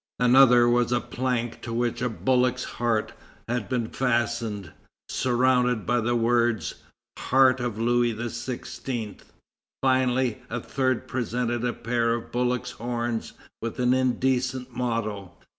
Another was a plank to which a bullock's heart had been fastened, surrounded by the words: 'Heart of Louis XVI.' Finally, a third presented a pair of bullock's horns with an indecent motto."